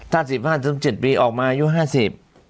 ถ้า๑๕๑๗ปีออกมาอายุ๕๐